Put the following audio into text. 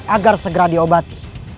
agar segera diobati